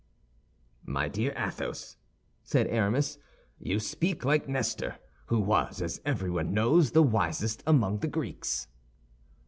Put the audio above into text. "My dear Athos," said Aramis, "you speak like Nestor, who was, as everyone knows, the wisest among the Greeks."